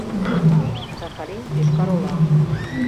Сахалин — Йошкар-Ола.